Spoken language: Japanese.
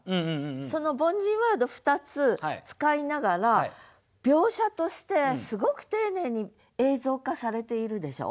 その凡人ワード２つ使いながら描写としてすごく丁寧に映像化されているでしょ？